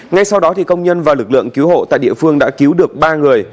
ngay sau đó công nhân và lực lượng cứu hộ tại địa phương đã cứu được ba người